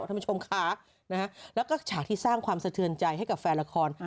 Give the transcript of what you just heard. ท่านผู้ชมค่ะนะฮะแล้วก็ฉากที่สร้างความสะเทือนใจให้กับแฟนละคร